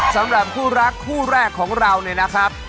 สำหรับคู่รักคู่แรกของเราเนี่ยนะครับ